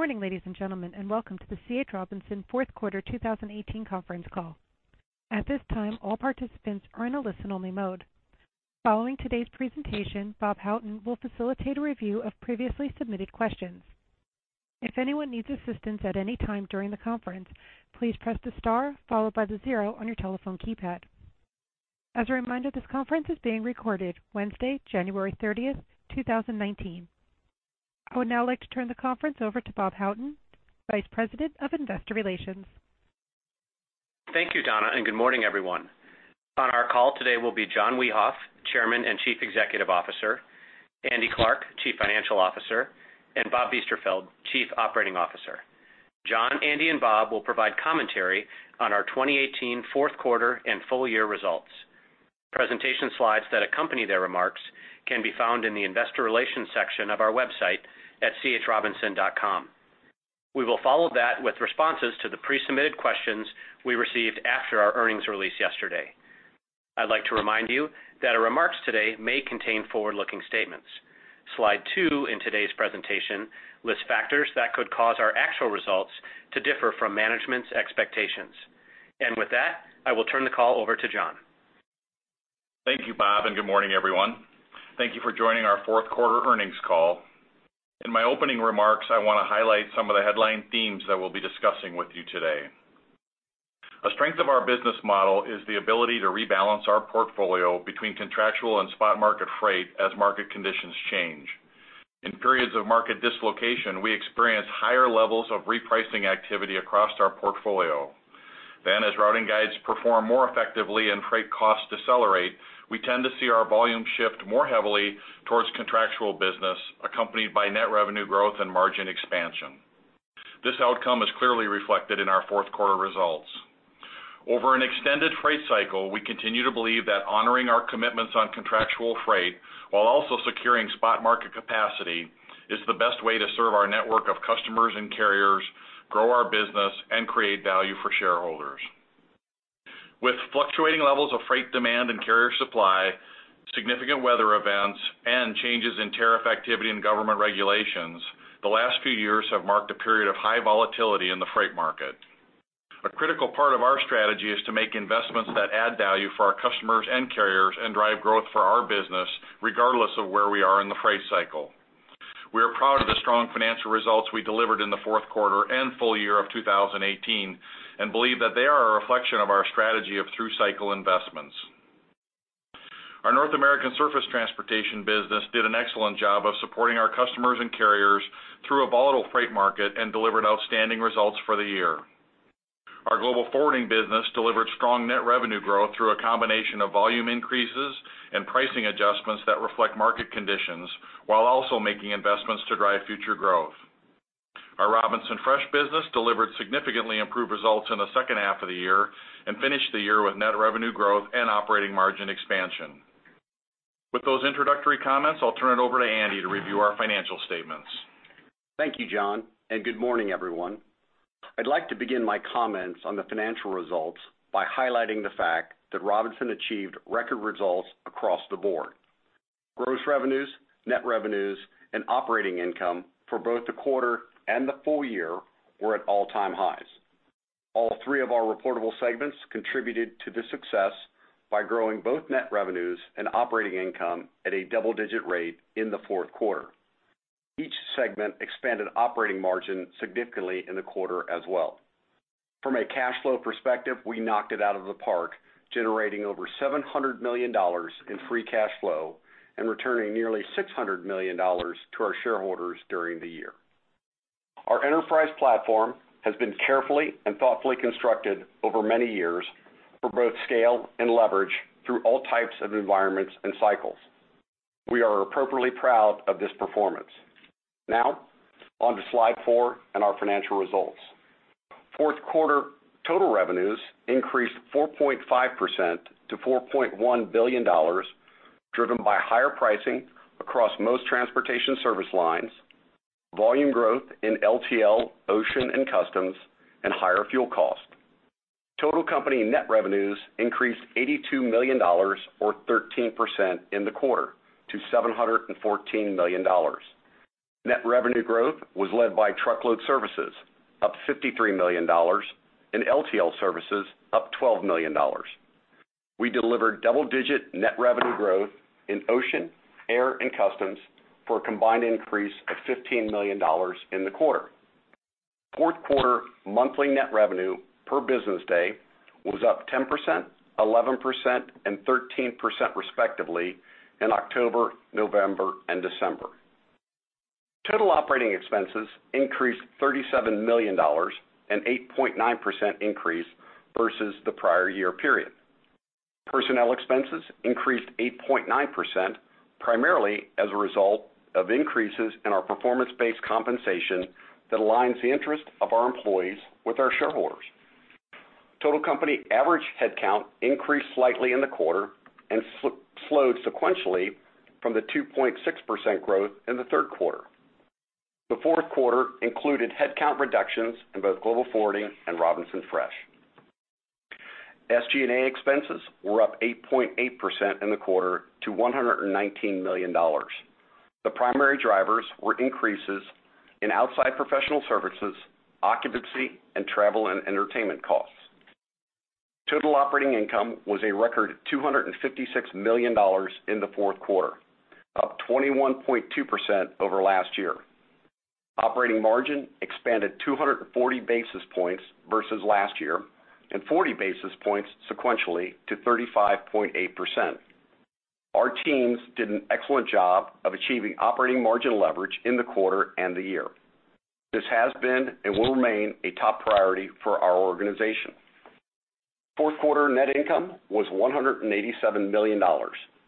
Good morning, ladies and gentlemen, and welcome to the C. H. Robinson fourth quarter 2018 conference call. At this time, all participants are in a listen-only mode. Following today's presentation, Robert Houghton will facilitate a review of previously submitted questions. If anyone needs assistance at any time during the conference, please press the star followed by the zero on your telephone keypad. As a reminder, this conference is being recorded Wednesday, January 30th, 2019. I would now like to turn the conference over to Robert Houghton, Vice President of Investor Relations. Thank you, Donna, and good morning, everyone. On our call today will be John Wiehoff, Chairman and Chief Executive Officer, Andrew Clarke, Chief Financial Officer, and Bob Biesterfeld, Chief Operating Officer. John, Andy, and Bob will provide commentary on our 2018 fourth quarter and full year results. Presentation slides that accompany their remarks can be found in the investor relations section of our website at chrobinson.com. We will follow that with responses to the pre-submitted questions we received after our earnings release yesterday. I'd like to remind you that our remarks today may contain forward-looking statements. Slide two in today's presentation lists factors that could cause our actual results to differ from management's expectations. With that, I will turn the call over to John. Thank you, Bob, and good morning, everyone. Thank you for joining our fourth quarter earnings call. A strength of our business model is the ability to rebalance our portfolio between contractual and spot market freight as market conditions change. In periods of market dislocation, we experience higher levels of repricing activity across our portfolio. As routing guides perform more effectively and freight costs decelerate, we tend to see our volume shift more heavily towards contractual business, accompanied by net revenue growth and margin expansion. This outcome is clearly reflected in our fourth quarter results. Over an extended freight cycle, we continue to believe that honoring our commitments on contractual freight, while also securing spot market capacity, is the best way to serve our network of customers and carriers, grow our business, and create value for shareholders. With fluctuating levels of freight demand and carrier supply, significant weather events, and changes in tariff activity and government regulations, the last few years have marked a period of high volatility in the freight market. A critical part of our strategy is to make investments that add value for our customers and carriers and drive growth for our business regardless of where we are in the freight cycle. We are proud of the strong financial results we delivered in the fourth quarter and full year of 2018 and believe that they are a reflection of our strategy of through-cycle investments. Our North American Surface Transportation business did an excellent job of supporting our customers and carriers through a volatile freight market and delivered outstanding results for the year. Our Global Forwarding business delivered strong net revenue growth through a combination of volume increases and pricing adjustments that reflect market conditions while also making investments to drive future growth. Our Robinson Fresh business delivered significantly improved results in the second half of the year and finished the year with net revenue growth and operating margin expansion. With those introductory comments, I'll turn it over to Andy Clarke to review our financial statements. Thank you, John Wiehoff, good morning, everyone. I'd like to begin my comments on the financial results by highlighting the fact that Robinson achieved record results across the board. Gross revenues, net revenues, and operating income for both the quarter and the full year were at all-time highs. All three of our reportable segments contributed to this success by growing both net revenues and operating income at a double-digit rate in the fourth quarter. Each segment expanded operating margin significantly in the quarter as well. From a cash flow perspective, we knocked it out of the park, generating over $700 million in free cash flow and returning nearly $600 million to our shareholders during the year. Our enterprise platform has been carefully and thoughtfully constructed over many years for both scale and leverage through all types of environments and cycles. We are appropriately proud of this performance. On to slide four and our financial results. Fourth quarter total revenues increased 4.5% to $4.1 billion, driven by higher pricing across most transportation service lines, volume growth in LTL, ocean, and customs, and higher fuel cost. Total company net revenues increased $82 million, or 13%, in the quarter to $714 million. Net revenue growth was led by truckload services, up $53 million, and LTL services, up $12 million. We delivered double-digit net revenue growth in ocean, air, and customs for a combined increase of $15 million in the quarter. Fourth quarter monthly net revenue per business day was up 10%, 11%, and 13% respectively in October, November, and December. Total operating expenses increased $37 million, an 8.9% increase versus the prior year period. Personnel expenses increased 8.9%, primarily as a result of increases in our performance-based compensation that aligns the interest of our employees with our shareholders. Total company average headcount increased slightly in the quarter and slowed sequentially from the 2.6% growth in the third quarter. The fourth quarter included headcount reductions in both Global Forwarding and Robinson Fresh. SG&A expenses were up 8.8% in the quarter to $119 million. The primary drivers were increases in outside professional services, occupancy, and travel and entertainment costs. Total operating income was a record $256 million in the fourth quarter, up 21.2% over last year. Operating margin expanded 240 basis points versus last year, and 40 basis points sequentially to 35.8%. Our teams did an excellent job of achieving operating margin leverage in the quarter and the year. This has been and will remain a top priority for our organization. Fourth quarter net income was $187 million,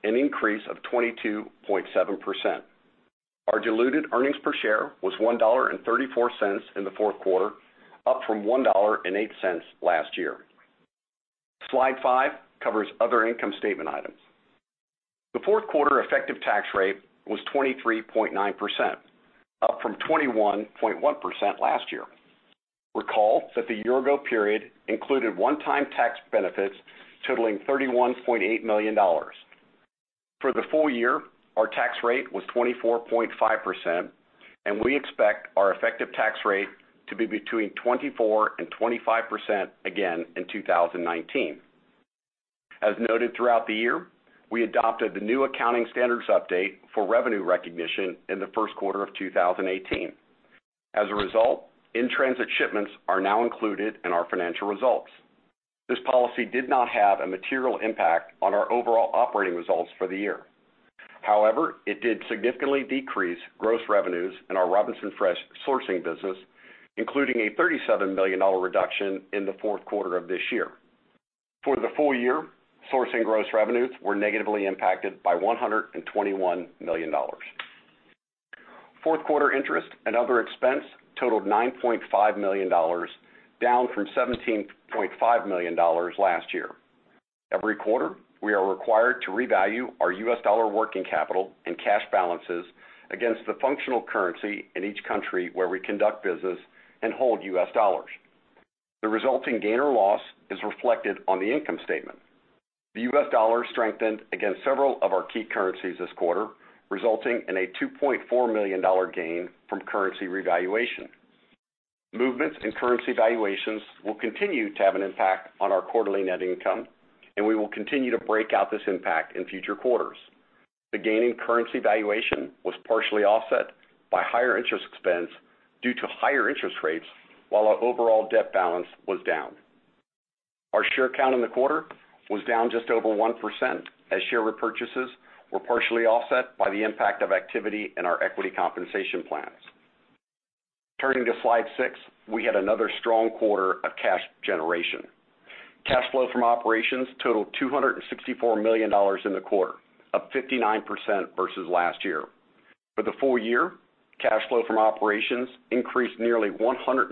an increase of 22.7%. Our diluted earnings per share was $1.34 in the fourth quarter, up from $1.08 last year. Slide five covers other income statement items. The fourth quarter effective tax rate was 23.9%, up from 21.1% last year. Recall that the year ago period included one-time tax benefits totaling $31.8 million. For the full year, our tax rate was 24.5%, and we expect our effective tax rate to be between 24% and 25% again in 2019. As noted throughout the year, we adopted the new accounting standards update for revenue recognition in the first quarter of 2018. As a result, in-transit shipments are now included in our financial results. This policy did not have a material impact on our overall operating results for the year. However, it did significantly decrease gross revenues in our Robinson Fresh sourcing business, including a $37 million reduction in the fourth quarter of this year. For the full year, sourcing gross revenues were negatively impacted by $121 million. Fourth quarter interest and other expense totaled $9.5 million, down from $17.5 million last year. Every quarter, we are required to revalue our US dollar working capital and cash balances against the functional currency in each country where we conduct business and hold US dollars. The resulting gain or loss is reflected on the income statement. The US dollar strengthened against several of our key currencies this quarter, resulting in a $2.4 million gain from currency revaluation. Movements in currency valuations will continue to have an impact on our quarterly net income, we will continue to break out this impact in future quarters. The gain in currency valuation was partially offset by higher interest expense due to higher interest rates, while our overall debt balance was down. Our share count in the quarter was down just over 1%, as share repurchases were partially offset by the impact of activity in our equity compensation plans. Turning to slide six, we had another strong quarter of cash generation. Cash flow from operations totaled $264 million in the quarter, up 59% versus last year. For the full year, cash flow from operations increased nearly 107%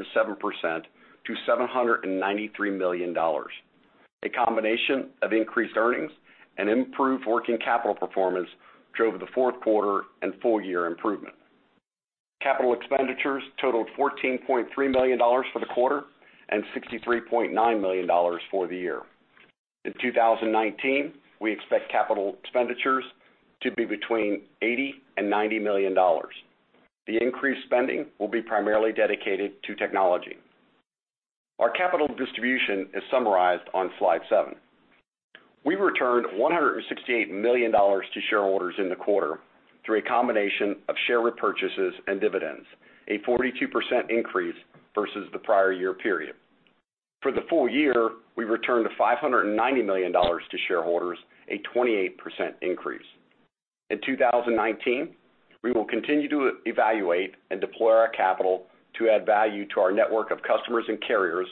to $793 million. A combination of increased earnings and improved working capital performance drove the fourth quarter and full year improvement. Capital expenditures totaled $14.3 million for the quarter, and $63.9 million for the year. In 2019, we expect capital expenditures to be between $80 million and $90 million. The increased spending will be primarily dedicated to technology. Our capital distribution is summarized on slide seven. We returned $168 million to shareholders in the quarter through a combination of share repurchases and dividends, a 42% increase versus the prior year period. For the full year, we returned $590 million to shareholders, a 28% increase. In 2019, we will continue to evaluate and deploy our capital to add value to our network of customers and carriers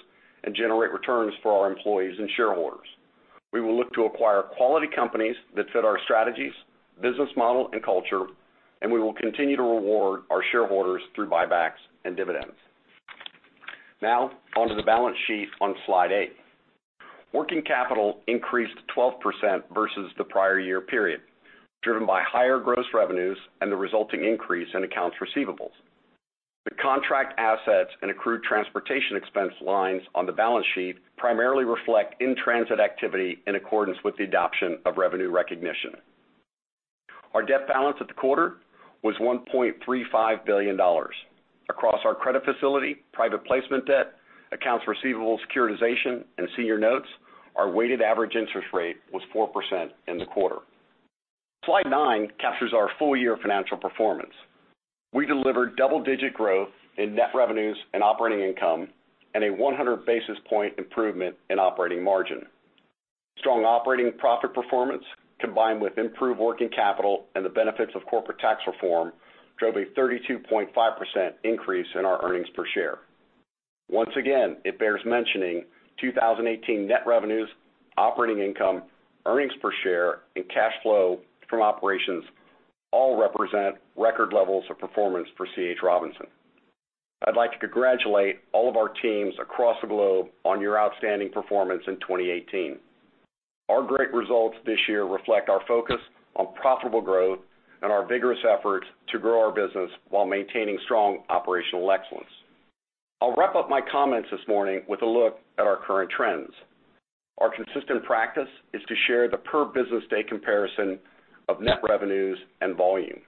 and generate returns for our employees and shareholders. We will look to acquire quality companies that fit our strategies, business model, and culture, we will continue to reward our shareholders through buybacks and dividends. Now, on to the balance sheet on slide eight. Working capital increased 12% versus the prior year period, driven by higher gross revenues and the resulting increase in accounts receivables. The contract assets and accrued transportation expense lines on the balance sheet primarily reflect in-transit activity in accordance with the adoption of revenue recognition. Our debt balance at the quarter was $1.35 billion. Across our credit facility, private placement debt, accounts receivable securitization, and senior notes, our weighted average interest rate was 4% in the quarter. Slide nine captures our full year financial performance. We delivered double-digit growth in net revenues and operating income, and a 100-basis-point improvement in operating margin. Strong operating profit performance, combined with improved working capital and the benefits of corporate tax reform, drove a 32.5% increase in our earnings per share. Once again, it bears mentioning, 2018 net revenues, operating income, earnings per share, and cash flow from operations all represent record levels of performance for C.H. Robinson. I'd like to congratulate all of our teams across the globe on your outstanding performance in 2018. Our great results this year reflect our focus on profitable growth and our vigorous efforts to grow our business while maintaining strong operational excellence. I'll wrap up my comments this morning with a look at our current trends. Our consistent practice is to share the per business day comparison of net revenues and volume.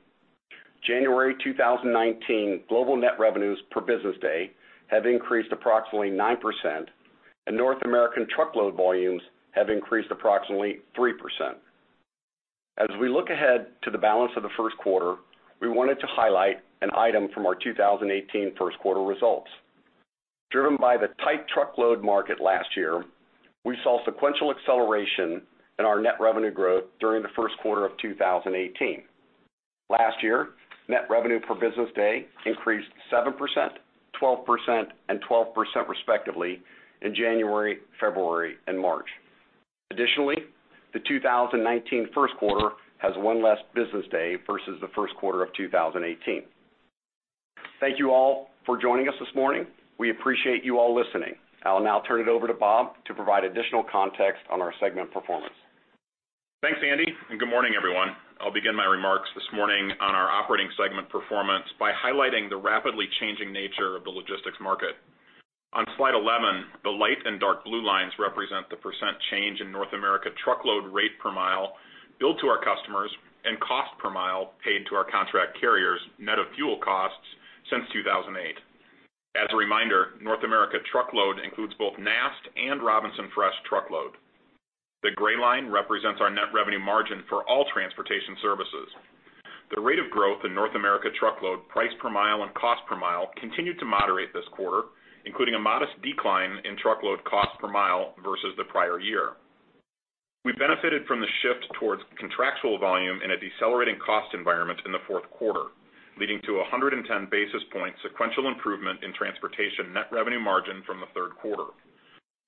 January 2019, global net revenues per business day have increased approximately 9%, and North American truckload volumes have increased approximately 3%. As we look ahead to the balance of the first quarter, we wanted to highlight an item from our 2018 first quarter results. Driven by the tight truckload market last year, we saw sequential acceleration in our net revenue growth during the first quarter of 2018. Last year, net revenue per business day increased 7%, 12% and 12% respectively in January, February and March. Additionally, the 2019 first quarter has one less business day versus the first quarter of 2018. Thank you all for joining us this morning. We appreciate you all listening. I'll now turn it over to Bob to provide additional context on our segment performance. Thanks, Andy, and good morning, everyone. I'll begin my remarks this morning on our operating segment performance by highlighting the rapidly changing nature of the logistics market. On slide 11, the light and dark blue lines represent the % change in North America truckload rate per mile billed to our customers and cost per mile paid to our contract carriers, net of fuel costs, since 2008. As a reminder, North America truckload includes both NAST and Robinson Fresh truckload. The gray line represents our net revenue margin for all transportation services. The rate of growth in North America truckload, price per mile, and cost per mile continued to moderate this quarter, including a modest decline in truckload cost per mile versus the prior year. We benefited from the shift towards contractual volume in a decelerating cost environment in the fourth quarter, leading to 110 basis point sequential improvement in transportation net revenue margin from the third quarter.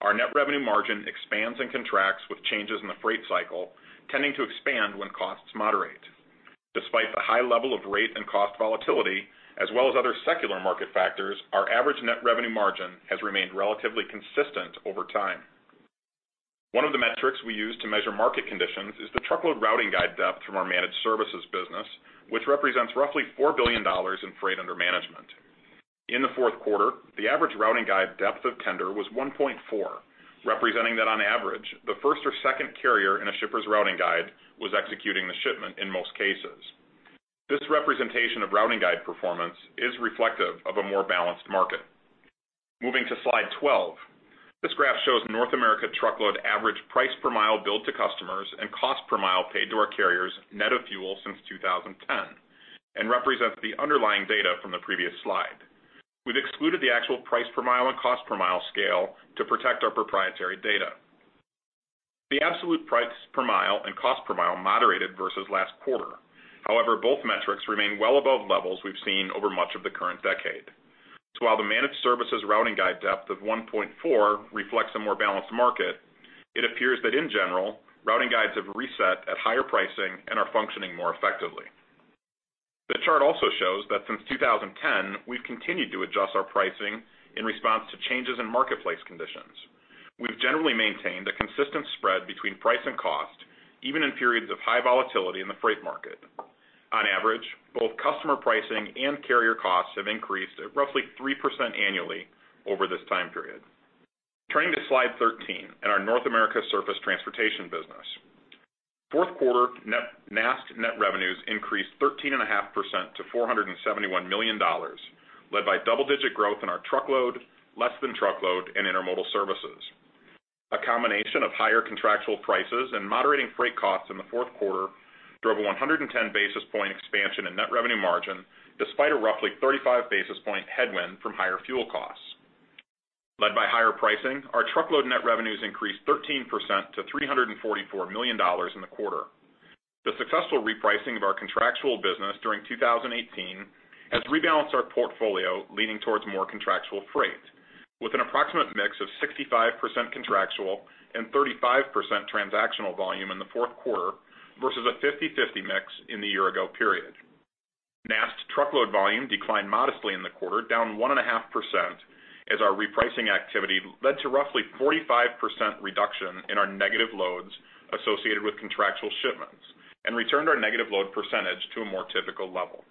Our net revenue margin expands and contracts with changes in the freight cycle, tending to expand when costs moderate. Despite the high level of rate and cost volatility, as well as other secular market factors, our average net revenue margin has remained relatively consistent over time. One of the metrics we use to measure market conditions is the truckload routing guide depth from our managed services business, which represents roughly $4 billion in freight under management. In the fourth quarter, the average routing guide depth of tender was 1.4, representing that on average, the first or second carrier in a shipper's routing guide was executing the shipment in most cases. This representation of routing guide performance is reflective of a more balanced market. Moving to slide 12. This graph shows North America truckload average price per mile billed to customers and cost per mile paid to our carriers net of fuel since 2010 and represents the underlying data from the previous slide. We've excluded the actual price per mile and cost per mile scale to protect our proprietary data. The absolute price per mile and cost per mile moderated versus last quarter. However, both metrics remain well above levels we've seen over much of the current decade. While the managed services routing guide depth of 1.4 reflects a more balanced market, it appears that in general, routing guides have reset at higher pricing and are functioning more effectively. The chart also shows that since 2010, we've continued to adjust our pricing in response to changes in marketplace conditions. We've generally maintained a consistent spread between price and cost, even in periods of high volatility in the freight market. On average, both customer pricing and carrier costs have increased at roughly 3% annually over this time period. Turning to slide 13 and our North America Surface Transportation business. Fourth quarter NAST net revenues increased 13.5% to $471 million, led by double-digit growth in our truckload, less than truckload, and Intermodal services. A combination of higher contractual prices and moderating freight costs in the fourth quarter drove a 110 basis point expansion in net revenue margin, despite a roughly 35 basis point headwind from higher fuel costs. Led by higher pricing, our truckload net revenues increased 13% to $344 million in the quarter. The successful repricing of our contractual business during 2018 has rebalanced our portfolio, leaning towards more contractual freight with an approximate mix of 65% contractual and 35% transactional volume in the fourth quarter versus a 50/50 mix in the year ago period. NAST truckload volume declined modestly in the quarter, down 1.5% as our repricing activity led to roughly 45% reduction in our negative loads associated with contractual shipments and returned our negative load percentage to a more typical level.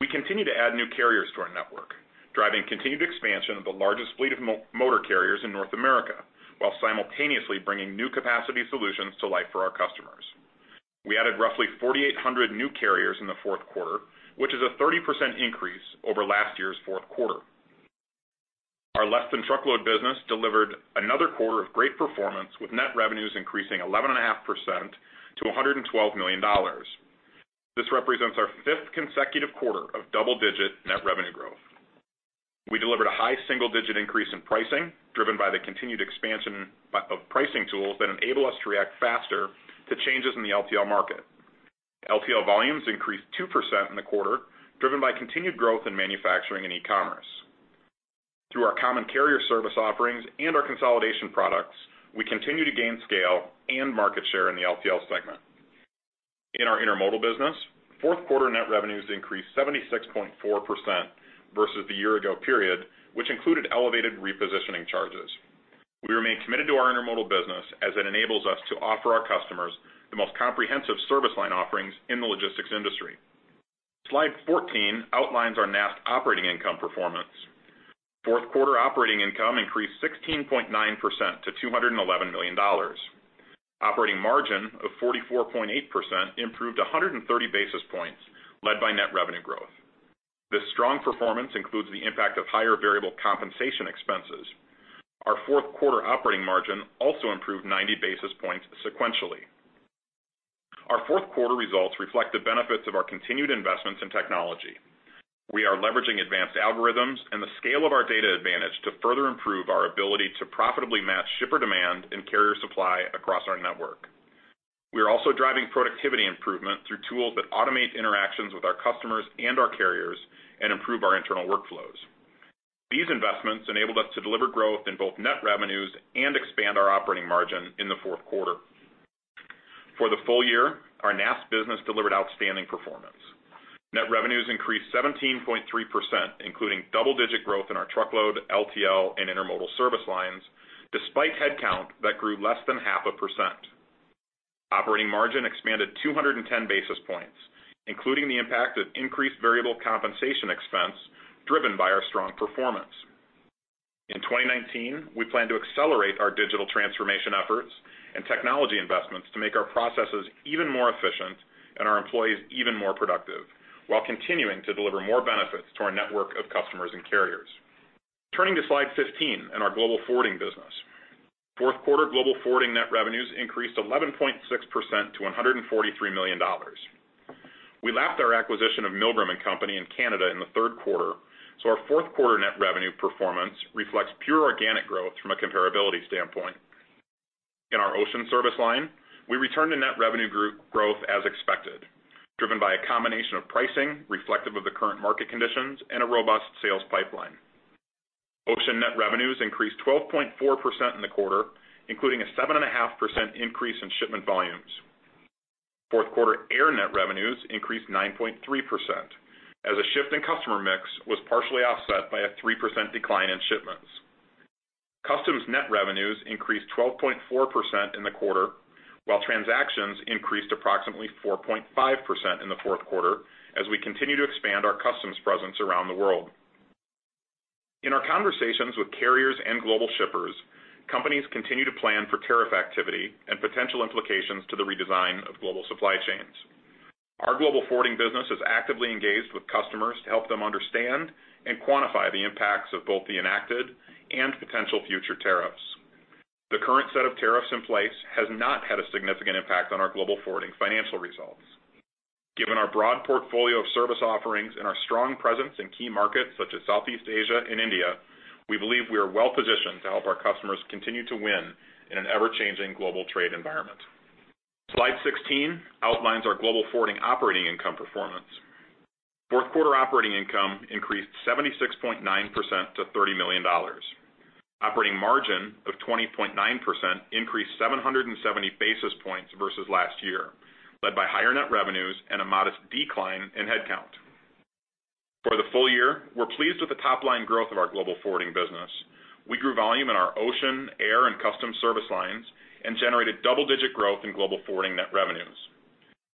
We continue to add new carriers to our network, driving continued expansion of the largest fleet of motor carriers in North America, while simultaneously bringing new capacity solutions to life for our customers. We added roughly 4,800 new carriers in the fourth quarter, which is a 30% increase over last year's fourth quarter. Our less than truckload business delivered another quarter of great performance, with net revenues increasing 11.5% to $112 million. This represents our fifth consecutive quarter of double-digit net revenue growth. We delivered a high single-digit increase in pricing, driven by the continued expansion of pricing tools that enable us to react faster to changes in the LTL market. LTL volumes increased 2% in the quarter, driven by continued growth in manufacturing and e-commerce. Through our common carrier service offerings and our consolidation products, we continue to gain scale and market share in the LTL segment. In our Intermodal business, fourth quarter net revenues increased 76.4% versus the year ago period, which included elevated repositioning charges. We remain committed to our Intermodal business as it enables us to offer our customers the most comprehensive service line offerings in the logistics industry. Slide 14 outlines our NAST operating income performance. Fourth quarter operating income increased 16.9% to $211 million. Operating margin of 44.8% improved 130 basis points, led by net revenue growth. This strong performance includes the impact of higher variable compensation expenses. Our fourth quarter operating margin also improved 90 basis points sequentially. Our fourth quarter results reflect the benefits of our continued investments in technology. We are leveraging advanced algorithms and the scale of our data advantage to further improve our ability to profitably match shipper demand and carrier supply across our network. We are also driving productivity improvement through tools that automate interactions with our customers and our carriers and improve our internal workflows. These investments enabled us to deliver growth in both net revenues and expand our operating margin in the fourth quarter. For the full year, our NAST business delivered outstanding performance. Net revenues increased 17.3%, including double-digit growth in our truckload, LTL, and intermodal service lines, despite headcount that grew less than half a percent. Operating margin expanded 210 basis points, including the impact of increased variable compensation expense driven by our strong performance. In 2019, we plan to accelerate our digital transformation efforts and technology investments to make our processes even more efficient and our employees even more productive, while continuing to deliver more benefits to our network of customers and carriers. Turning to Slide 15 and our Global Forwarding business. Fourth quarter Global Forwarding net revenues increased 11.6% to $143 million. We lapped our acquisition of Milgram & Company in Canada in the third quarter, so our fourth quarter net revenue performance reflects pure organic growth from a comparability standpoint. In our Ocean service line, we returned to net revenue growth as expected, driven by a combination of pricing reflective of the current market conditions and a robust sales pipeline. Ocean net revenues increased 12.4% in the quarter, including a seven and a half percent increase in shipment volumes. Fourth quarter Air net revenues increased 9.3%, as a shift in customer mix was partially offset by a 3% decline in shipments. Customs net revenues increased 12.4% in the quarter, while transactions increased approximately 4.5% in the fourth quarter as we continue to expand our customs presence around the world. In our conversations with carriers and global shippers, companies continue to plan for tariff activity and potential implications to the redesign of global supply chains. Our Global Forwarding business is actively engaged with customers to help them understand and quantify the impacts of both the enacted and potential future tariffs. The current set of tariffs in place has not had a significant impact on our Global Forwarding financial results. Given our broad portfolio of service offerings and our strong presence in key markets such as Southeast Asia and India, we believe we are well-positioned to help our customers continue to win in an ever-changing global trade environment. Slide 16 outlines our Global Forwarding operating income performance. Fourth quarter operating income increased 76.9% to $30 million. Operating margin of 20.9% increased 770 basis points versus last year, led by higher net revenues and a modest decline in headcount. For the full year, we're pleased with the top-line growth of our Global Forwarding business. We grew volume in our Ocean, Air, and Customs service lines and generated double-digit growth in Global Forwarding net revenues.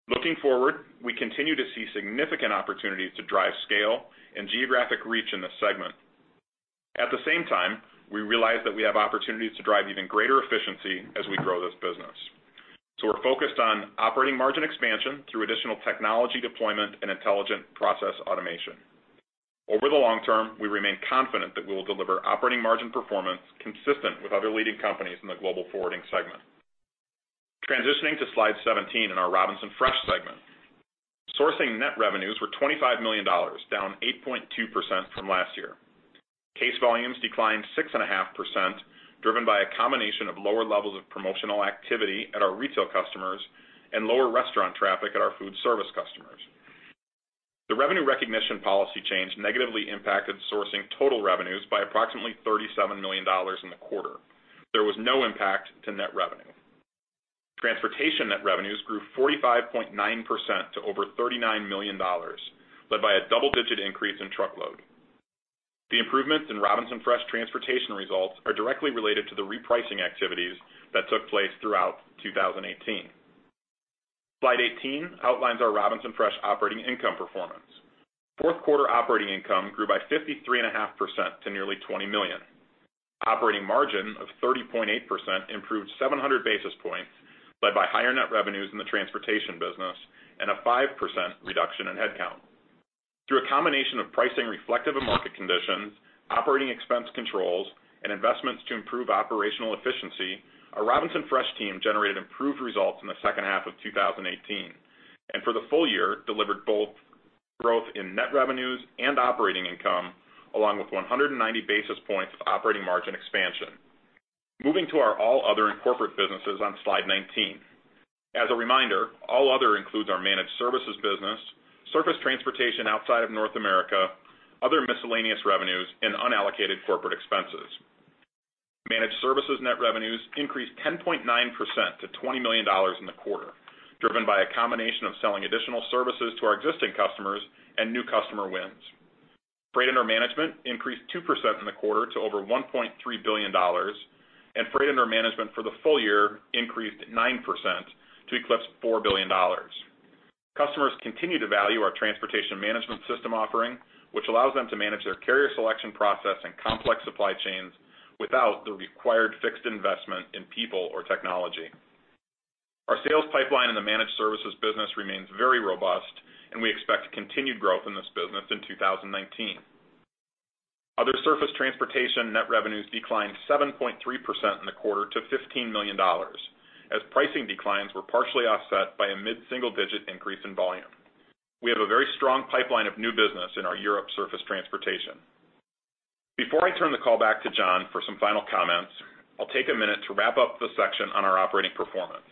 Looking forward, we continue to see significant opportunities to drive scale and geographic reach in this segment. At the same time, we realize that we have opportunities to drive even greater efficiency as we grow this business. We're focused on operating margin expansion through additional technology deployment and intelligent process automation. Over the long term, we remain confident that we will deliver operating margin performance consistent with other leading companies in the Global Forwarding segment. Transitioning to slide 17 in our Robinson Fresh segment. Sourcing net revenues were $25 million, down 8.2% from last year. Case volumes declined six and a half %, driven by a combination of lower levels of promotional activity at our retail customers and lower restaurant traffic at our food service customers. The revenue recognition policy change negatively impacted sourcing total revenues by approximately $37 million in the quarter. There was no impact to net revenue. Transportation net revenues grew 45.9% to over $39 million, led by a double-digit increase in truckload. The improvements in Robinson Fresh transportation results are directly related to the repricing activities that took place throughout 2018. Slide 18 outlines our Robinson Fresh operating income performance. Fourth quarter operating income grew by 53 and a half % to nearly $20 million. Operating margin of 30.8% improved 700 basis points, led by higher net revenues in the transportation business and a 5% reduction in headcount. Through a combination of pricing reflective of market conditions, operating expense controls, and investments to improve operational efficiency, our Robinson Fresh team generated improved results in the second half of 2018. For the full year, delivered both growth in net revenues and operating income, along with 190 basis points of operating margin expansion. Moving to our All Other and Corporate businesses on slide 19. As a reminder, All Other includes our managed services business, surface transportation outside of North America, other miscellaneous revenues, and unallocated corporate expenses. Managed services net revenues increased 10.9% to $20 million in the quarter, driven by a combination of selling additional services to our existing customers and new customer wins. Freight under management increased 2% in the quarter to over $1.3 billion, and freight under management for the full year increased 9% to eclipse $4 billion. Customers continue to value our transportation management system offering, which allows them to manage their carrier selection process and complex supply chains without the required fixed investment in people or technology. Our sales pipeline in the managed services business remains very robust, and we expect continued growth in this business in 2019. Other surface transportation net revenues declined 7.3% in the quarter to $15 million, as pricing declines were partially offset by a mid-single-digit increase in volume. We have a very strong pipeline of new business in our Europe Surface transportation. Before I turn the call back to John for some final comments, I'll take a minute to wrap up the section on our operating performance.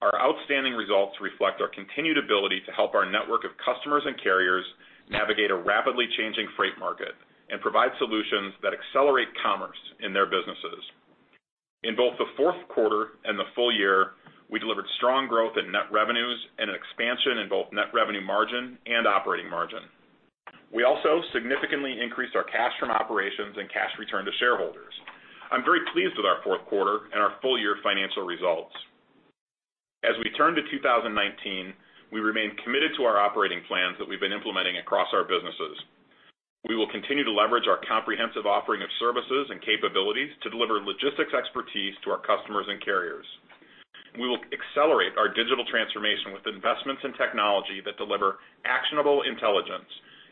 Our outstanding results reflect our continued ability to help our network of customers and carriers navigate a rapidly changing freight market and provide solutions that accelerate commerce in their businesses. In both the fourth quarter and the full year, we delivered strong growth in net revenues and an expansion in both net revenue margin and operating margin. We also significantly increased our cash from operations and cash return to shareholders. I'm very pleased with our fourth quarter and our full-year financial results. We turn to 2019, we remain committed to our operating plans that we've been implementing across our businesses. We will continue to leverage our comprehensive offering of services and capabilities to deliver logistics expertise to our customers and carriers. We will accelerate our digital transformation with investments in technology that deliver actionable intelligence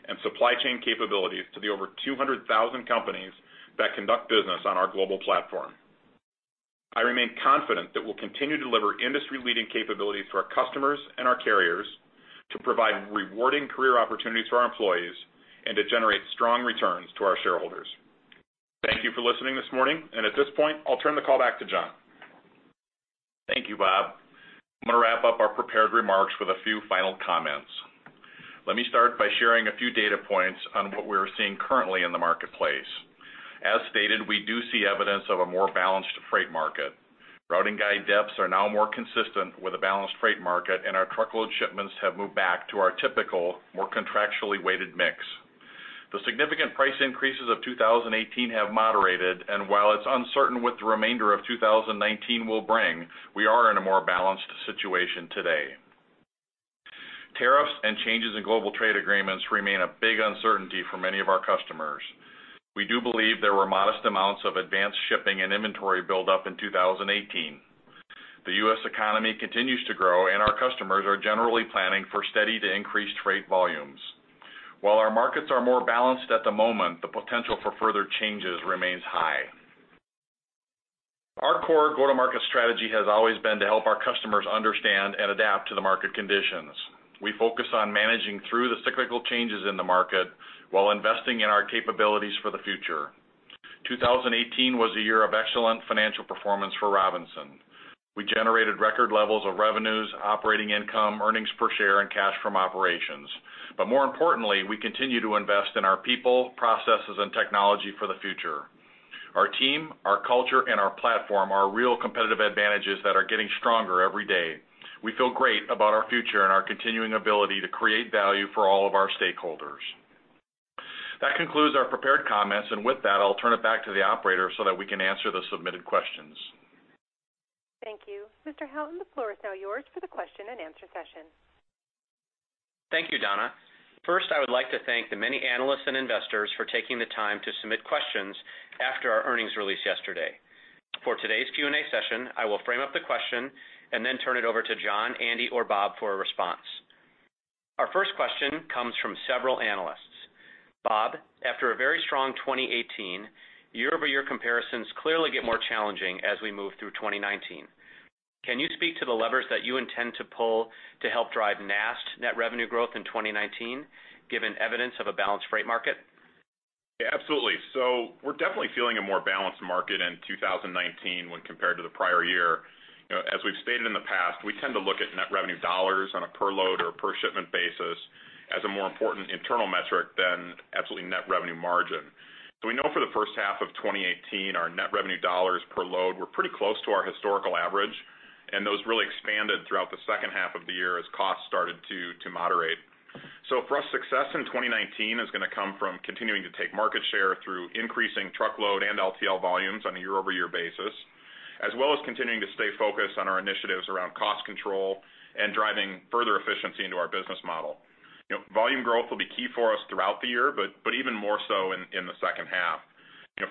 and supply chain capabilities to the over 200,000 companies that conduct business on our global platform. I remain confident that we'll continue to deliver industry-leading capabilities for our customers and our carriers to provide rewarding career opportunities for our employees and to generate strong returns to our shareholders. Thank you for listening this morning. At this point, I'll turn the call back to John. Thank you, Bob. I'm going to wrap up our prepared remarks with a few final comments. Let me start by sharing a few data points on what we are seeing currently in the marketplace. Stated, we do see evidence of a more balanced freight market. Routing guide depths are now more consistent with a balanced freight market, and our truckload shipments have moved back to our typical, more contractually weighted mix. The significant price increases of 2018 have moderated, and while it's uncertain what the remainder of 2019 will bring, we are in a more balanced situation today. Tariffs and changes in global trade agreements remain a big uncertainty for many of our customers. We do believe there were modest amounts of advanced shipping and inventory build-up in 2018. The U.S. economy continues to grow, and our customers are generally planning for steady to increased freight volumes. Our markets are more balanced at the moment, the potential for further changes remains high. Our core go-to-market strategy has always been to help our customers understand and adapt to the market conditions. We focus on managing through the cyclical changes in the market while investing in our capabilities for the future. 2018 was a year of excellent financial performance for Robinson. We generated record levels of revenues, operating income, earnings per share, and cash from operations. More importantly, we continue to invest in our people, processes, and technology for the future. Our team, our culture, and our platform are real competitive advantages that are getting stronger every day. We feel great about our future and our continuing ability to create value for all of our stakeholders. That concludes our prepared comments. I'll turn it back to the operator so that we can answer the submitted questions. Thank you. Mr. Houghton, the floor is now yours for the question and answer session. Thank you, Donna. First, I would like to thank the many analysts and investors for taking the time to submit questions after our earnings release yesterday. For today's Q&A session, I will frame up the question and then turn it over to John, Andy, or Bob for a response. Our first question comes from several analysts. Bob, after a very strong 2018, year-over-year comparisons clearly get more challenging as we move through 2019. Can you speak to the levers that you intend to pull to help drive NAST net revenue growth in 2019, given evidence of a balanced freight market? Yeah, absolutely. We're definitely feeling a more balanced market in 2019 when compared to the prior year. As we've stated in the past, we tend to look at net revenue dollars on a per load or per shipment basis as a more important internal metric than absolutely net revenue margin. We know for the first half of 2018, our net revenue dollars per load were pretty close to our historical average, and those really expanded throughout the second half of the year as costs started to moderate. For us, success in 2019 is going to come from continuing to take market share through increasing truckload and LTL volumes on a year-over-year basis, as well as continuing to stay focused on our initiatives around cost control and driving further efficiency into our business model. Volume growth will be key for us throughout the year, but even more so in the second half.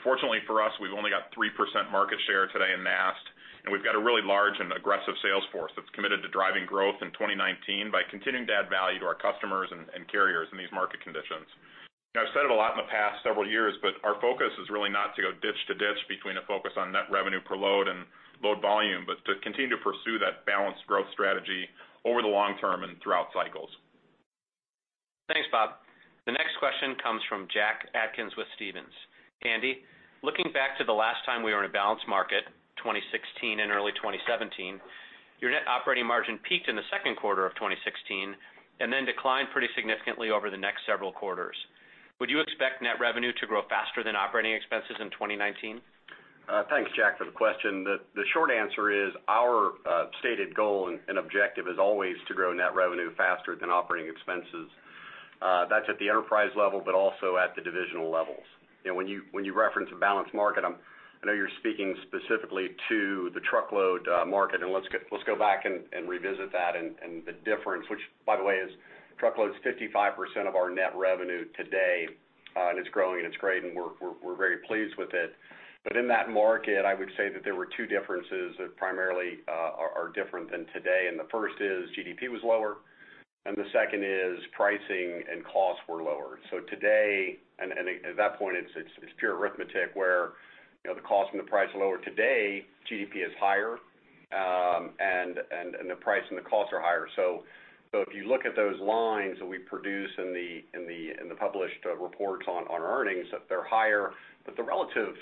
Fortunately for us, we've only got 3% market share today in NAST, and we've got a really large and aggressive sales force that's committed to driving growth in 2019 by continuing to add value to our customers and carriers in these market conditions. I've said it a lot in the past several years, but our focus is really not to go ditch to ditch between a focus on net revenue per load and load volume, but to continue to pursue that balanced growth strategy over the long term and throughout cycles. Thanks, Bob. The next question comes from Jack Atkins with Stephens. Andy, looking back to the last time we were in a balanced market, 2016 and early 2017. Your net operating margin peaked in the second quarter of 2016, then declined pretty significantly over the next several quarters. Would you expect net revenue to grow faster than operating expenses in 2019? Thanks, Jack, for the question. The short answer is, our stated goal and objective is always to grow net revenue faster than operating expenses. That's at the enterprise level, but also at the divisional levels. When you reference a balanced market, I know you're speaking specifically to the truckload market. Let's go back and revisit that and the difference, which by the way, is truckload is 55% of our net revenue today. It's growing and it's great, and we're very pleased with it. In that market, I would say that there were two differences that primarily are different than today, and the first is GDP was lower, and the second is pricing and costs were lower. Today, and at that point, it's pure arithmetic where the cost and the price are lower. Today, GDP is higher, and the price and the costs are higher. If you look at those lines that we produce in the published reports on earnings, they're higher, but the relative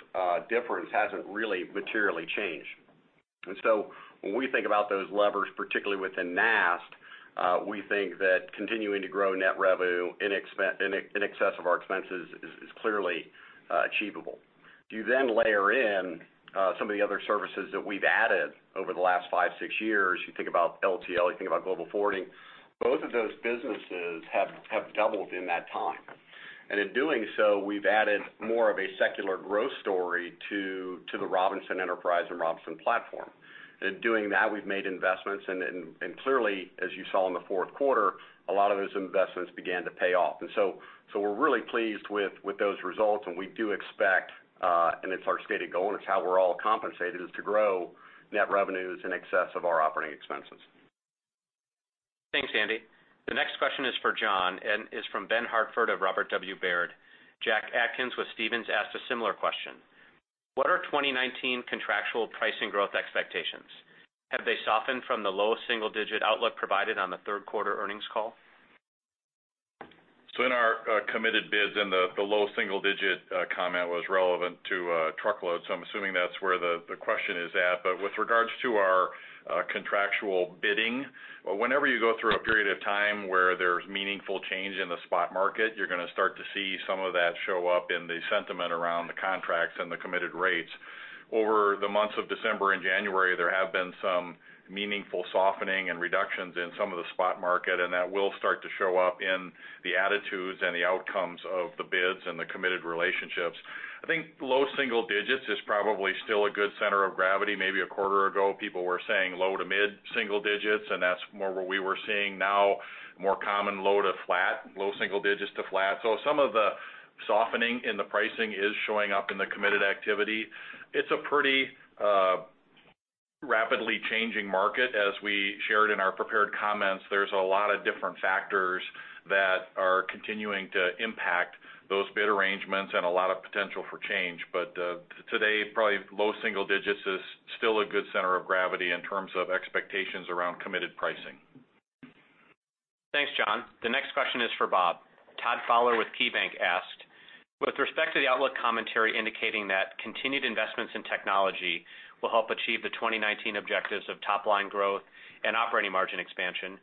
difference hasn't really materially changed. When we think about those levers, particularly within NAST, we think that continuing to grow net revenue in excess of our expenses is clearly achievable. If you layer in some of the other services that we've added over the last five, six years, you think about LTL, you think about Global Forwarding, both of those businesses have doubled in that time. In doing so, we've added more of a secular growth story to the Robinson enterprise and Robinson platform. In doing that, we've made investments, and clearly, as you saw in the fourth quarter, a lot of those investments began to pay off. We're really pleased with those results, and we do expect, and it's our stated goal, and it's how we're all compensated, is to grow net revenues in excess of our operating expenses. Thanks, Andy. The next question is for John, and is from Ben Hartford of Robert W. Baird. Jack Atkins with Stephens asked a similar question. What are 2019 contractual pricing growth expectations? Have they softened from the low single-digit outlook provided on the third quarter earnings call? In our committed bids, and the low single-digit comment was relevant to truckload, so I'm assuming that's where the question is at. With regards to our contractual bidding, whenever you go through a period of time where there's meaningful change in the spot market, you're going to start to see some of that show up in the sentiment around the contracts and the committed rates. Over the months of December and January, there have been some meaningful softening and reductions in some of the spot market, and that will start to show up in the attitudes and the outcomes of the bids and the committed relationships. I think low single digits is probably still a good center of gravity. Maybe a quarter ago, people were saying low to mid-single digits, and that's more what we were seeing. Now, more common low to flat, low single digits to flat. Some of the softening in the pricing is showing up in the committed activity. It's a pretty rapidly changing market. As we shared in our prepared comments, there's a lot of different factors that are continuing to impact those bid arrangements and a lot of potential for change. Today, probably low single digits is still a good center of gravity in terms of expectations around committed pricing. Thanks, John. The next question is for Bob. Todd Fowler with KeyBanc asked, with respect to the outlook commentary indicating that continued investments in technology will help achieve the 2019 objectives of top-line growth and operating margin expansion,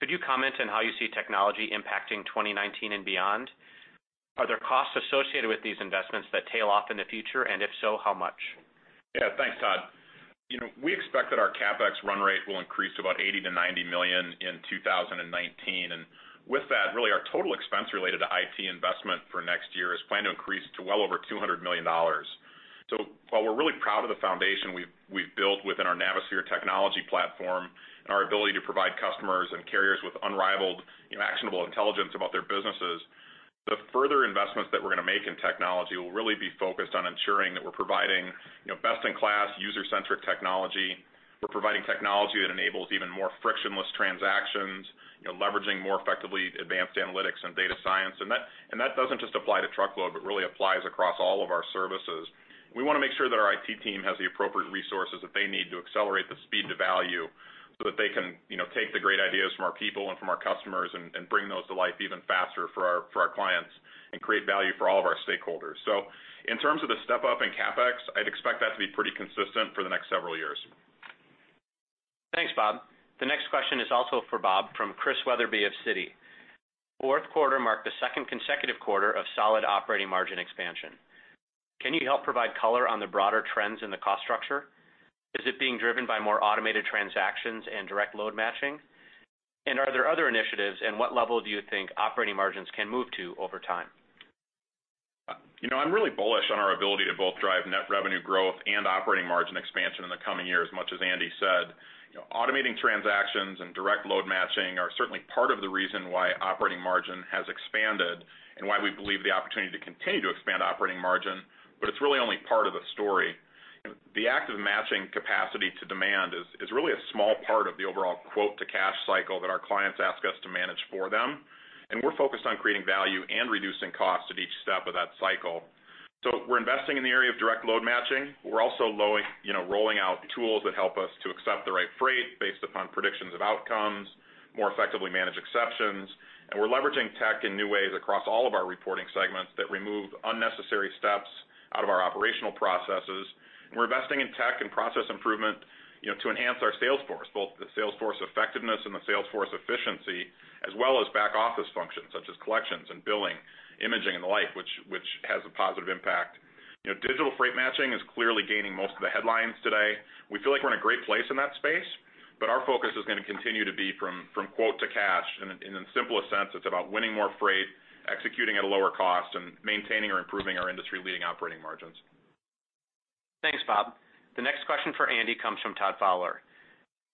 could you comment on how you see technology impacting 2019 and beyond? Are there costs associated with these investments that tail off in the future? If so, how much? Thanks, Todd. We expect that our CapEx run rate will increase to about $80 million-$90 million in 2019. With that, really our total expense related to IT investment for next year is planned to increase to well over $200 million. While we're really proud of the foundation we've built within our Navisphere technology platform and our ability to provide customers and carriers with unrivaled actionable intelligence about their businesses, the further investments that we're going to make in technology will really be focused on ensuring that we're providing best-in-class user-centric technology. We're providing technology that enables even more frictionless transactions, leveraging more effectively advanced analytics and data science. That doesn't just apply to truckload, but really applies across all of our services. We want to make sure that our IT team has the appropriate resources that they need to accelerate the speed to value so that they can take the great ideas from our people and from our customers and bring those to life even faster for our clients and create value for all of our stakeholders. In terms of the step-up in CapEx, I'd expect that to be pretty consistent for the next several years. Thanks, Bob. The next question is also for Bob from Chris Wetherbee of Citi. Fourth quarter marked the second consecutive quarter of solid operating margin expansion. Can you help provide color on the broader trends in the cost structure? Is it being driven by more automated transactions and direct load matching? Are there other initiatives, and what level do you think operating margins can move to over time? I'm really bullish on our ability to both drive net revenue growth and operating margin expansion in the coming year, as much as Andy said. Automating transactions and direct load matching are certainly part of the reason why operating margin has expanded and why we believe the opportunity to continue to expand operating margin, but it's really only part of the story. The act of matching capacity to demand is really a small part of the overall quote-to-cash cycle that our clients ask us to manage for them, and we're focused on creating value and reducing costs at each step of that cycle. We're investing in the area of direct load matching. We're also rolling out tools that help us to accept the right freight based upon predictions of outcomes, more effectively manage exceptions, and we're leveraging tech in new ways across all of our reporting segments that remove unnecessary steps out of our operational processes, and we're investing in tech and process improvement to enhance our sales force, both the sales force effectiveness and the sales force efficiency, as well as back-office functions such as collections and billing, imaging, and the like, which has a positive impact. Digital freight matching is clearly gaining most of the headlines today. We feel like we're in a great place in that space, but our focus is going to continue to be from quote to cash. In the simplest sense, it's about winning more freight, executing at a lower cost, and maintaining or improving our industry-leading operating margins. Thanks, Bob. The next question for Andy comes from Todd Fowler.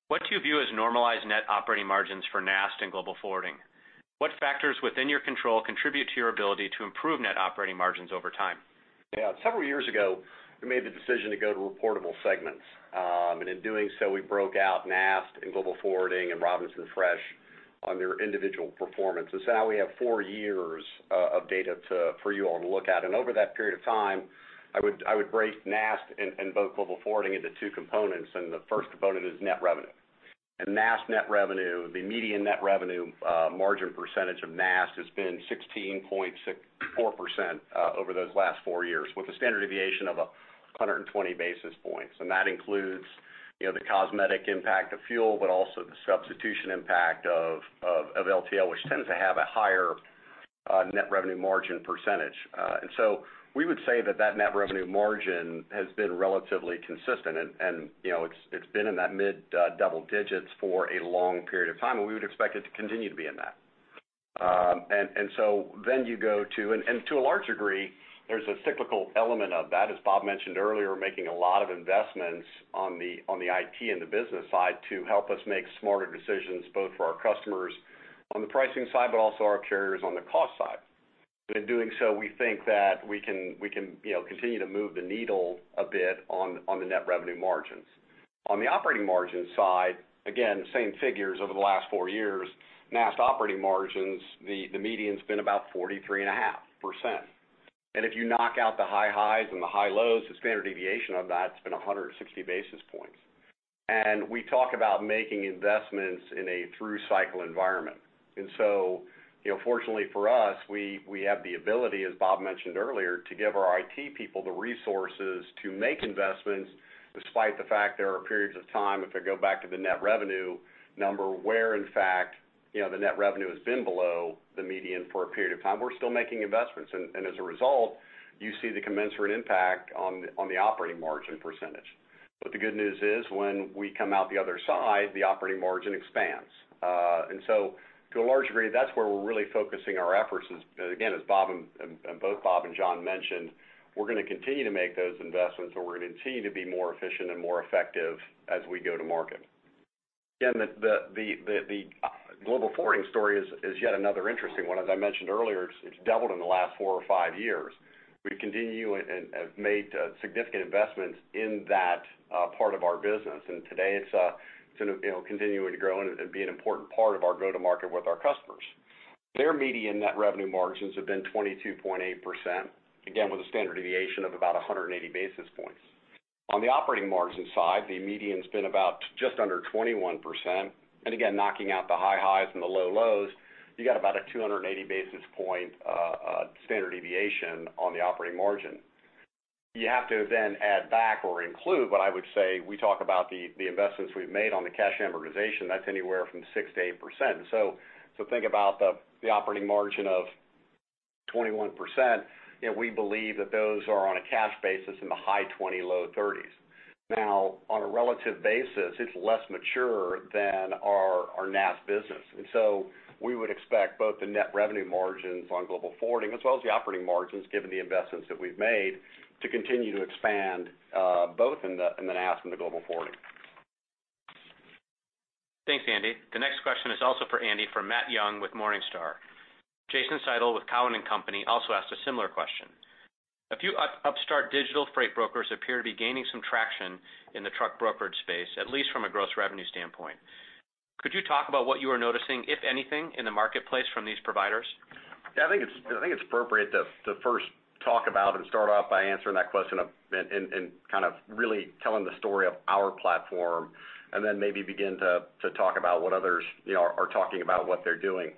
What do you view as normalized net operating margins for NAST and Global Forwarding? What factors within your control contribute to your ability to improve net operating margins over time? Yeah. Several years ago, we made the decision to go to reportable segments. In doing so, we broke out NAST and Global Forwarding and Robinson Fresh on their individual performance. Now we have four years of data for you all to look at. Over that period of time, I would break NAST and both Global Forwarding into two components, the first component is net revenue. NAST net revenue, the median net revenue margin percentage of NAST has been 16.4% over those last four years, with a standard deviation of 120 basis points. That includes the cosmetic impact of fuel, but also the substitution impact of LTL, which tends to have a higher net revenue margin percentage. We would say that that net revenue margin has been relatively consistent, and it's been in that mid double digits for a long period of time, and we would expect it to continue to be in that. To a large degree, there's a cyclical element of that, as Bob mentioned earlier, making a lot of investments on the IT and the business side to help us make smarter decisions, both for our customers on the pricing side, but also our carriers on the cost side. In doing so, we think that we can continue to move the needle a bit on the net revenue margins. On the operating margin side, again, same figures over the last four years, NAST operating margins, the median's been about 43.5%. If you knock out the high highs and the high lows, the standard deviation of that's been 160 basis points. We talk about making investments in a through-cycle environment. Fortunately for us, we have the ability, as Bob mentioned earlier, to give our IT people the resources to make investments despite the fact there are periods of time, if I go back to the net revenue number, where in fact, the net revenue has been below the median for a period of time. We're still making investments, and as a result, you see the commensurate impact on the operating margin percentage. The good news is, when we come out the other side, the operating margin expands. To a large degree, that's where we're really focusing our efforts, again, as both Bob and John mentioned, we're going to continue to make those investments, and we're going to continue to be more efficient and more effective as we go to market. Again, the Global Forwarding story is yet another interesting one. As I mentioned earlier, it's doubled in the last 4 or 5 years. We continue and have made significant investments in that part of our business. Today it's continuing to grow and be an important part of our go-to market with our customers. Their median net revenue margins have been 22.8%, again, with a standard deviation of about 180 basis points. On the operating margin side, the median's been about just under 21%. Again, knocking out the high highs and the low lows, you got about a 280 basis point standard deviation on the operating margin. You have to then add back or include what I would say, we talk about the investments we've made on the cash amortization, that's anywhere from 6%-8%. Think about the operating margin of 21%, we believe that those are on a cash basis in the high 20s, low 30s. Now, on a relative basis, it's less mature than our NAST business. We would expect both the net revenue margins on Global Forwarding as well as the operating margins, given the investments that we've made, to continue to expand both in the NAST and the Global Forwarding. Thanks, Andy. The next question is also for Andy from Matthew Young with Morningstar. Jason Seidl with Cowen and Company also asked a similar question. A few upstart digital freight brokers appear to be gaining some traction in the truck brokerage space, at least from a gross revenue standpoint. Could you talk about what you are noticing, if anything, in the marketplace from these providers? Yeah, I think it's appropriate to first talk about and start off by answering that question and kind of really telling the story of our platform, then maybe begin to talk about what others are talking about what they're doing.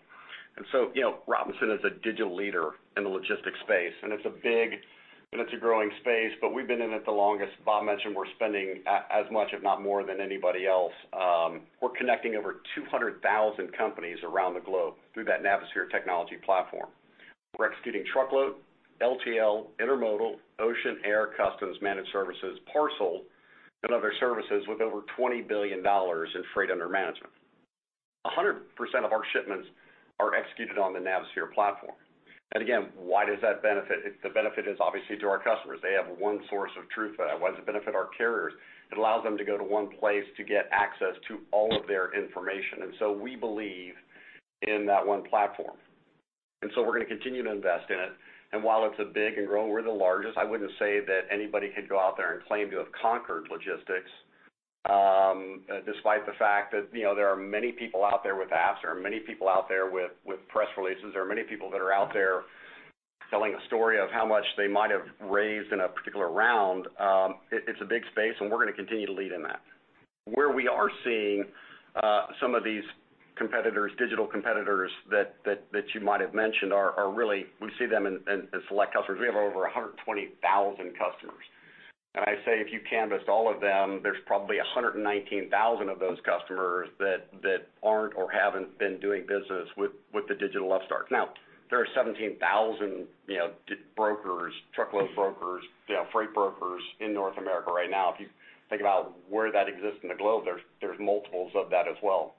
So, Robinson is a digital leader in the logistics space, and it's a big, and it's a growing space, but we've been in it the longest. Bob mentioned we're spending as much, if not more than anybody else. We're connecting over 200,000 companies around the globe through that Navisphere technology platform. We're executing truckload, LTL, intermodal, ocean, air, customs managed services, parcel, and other services with over $20 billion in freight under management. 100% of our shipments are executed on the Navisphere platform. Again, why does that benefit? The benefit is obviously to our customers. They have one source of truth. Why does it benefit our carriers? It allows them to go to one place to get access to all of their information. So we believe in that one platform. So we're going to continue to invest in it. While it's big and growing, we're the largest, I wouldn't say that anybody could go out there and claim to have conquered logistics. Despite the fact that there are many people out there with apps, there are many people out there with press releases, there are many people that are out there telling a story of how much they might have raised in a particular round. It's a big space, and we're going to continue to lead in that. Where we are seeing some of these digital competitors that you might have mentioned are really, we see them in select customers. We have over 120,000 customers, and I say if you canvassed all of them, there's probably 119,000 of those customers that aren't or haven't been doing business with the digital upstarts. Now, there are 17,000 truckload brokers, freight brokers in North America right now. If you think about where that exists in the globe, there's multiples of that as well.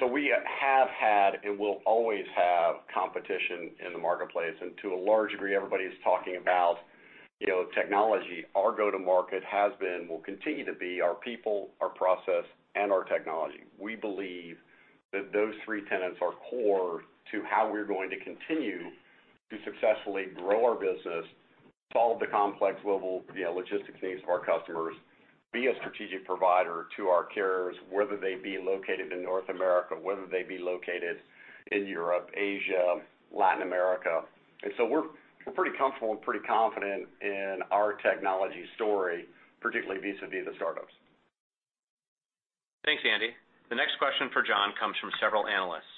So we have had and will always have competition in the marketplace. To a large degree, everybody's talking about technology. Our go-to-market has been and will continue to be our people, our process, and our technology. We believe that those three tenets are core to how we're going to continue to successfully grow our business, solve the complex global logistics needs of our customers, be a strategic provider to our carriers, whether they be located in North America, whether they be located in Europe, Asia, Latin America. We're pretty comfortable and pretty confident in our technology story, particularly vis-a-vis the startups. Thanks, Andy. The next question for John comes from several analysts.